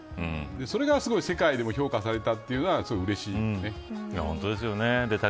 それが、すごい世界でも評価されたというのは本当ですよね。